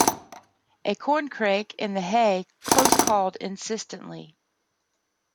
A corncrake in the hay-close called insistently.